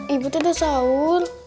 ibu tuh ada sahur